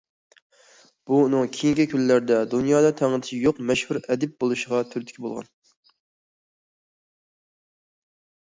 بۇ ئۇنىڭ كېيىنكى كۈنلەردە« دۇنيادا تەڭدىشى يوق مەشھۇر ئەدىب» بولۇشىغا تۈرتكە بولغان.